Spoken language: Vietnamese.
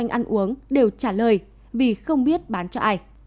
kinh doanh ăn uống đều trả lời vì không biết bán cho ai